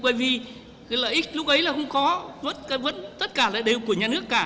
bởi vì lợi ích lúc ấy là không có vẫn tất cả là đều của nhà nước cả